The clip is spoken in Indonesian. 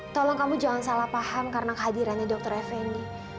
tolong kamu jangan salah paham karena hadirannya dokter effendi